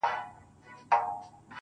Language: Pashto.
o زما د اوښکو په سمار راته خبري کوه.